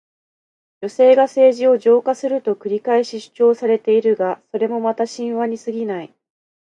女性が政治を浄化すると繰り返し主張されているが、それもまた神話にすぎない。